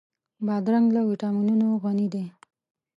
بادرنګ له ويټامینونو غني دی.